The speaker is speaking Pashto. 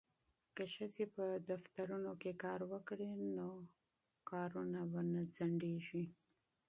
که ښځې په دفترونو کې کار وکړي نو کارونه به نه ځنډیږي.